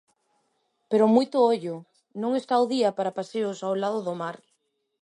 Pero moito ollo, non está o día para paseos ao lado do mar.